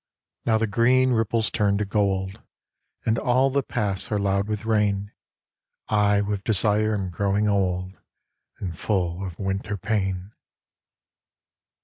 Now the green ripples turn to gold And all the paths are loud with rain, I with desire am growing old And full of winter pain.